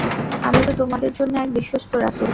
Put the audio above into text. আমি তো তোমাদের জন্যে এক বিশ্বস্ত রাসূল।